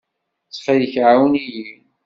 Ttxil-k, ɛawen-iyi!